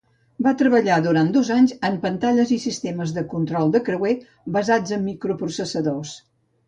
Va treballar allà durant dos anys en pantalles i sistemes de control de creuer basats en microprocessadors.